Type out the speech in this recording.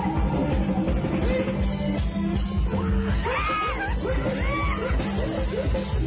พูดไปได้กระโดดลงไปดีครั้งหน่อย